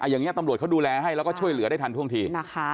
อย่างนี้ตำรวจเขาดูแลให้แล้วก็ช่วยเหลือได้ทันท่วงทีนะคะ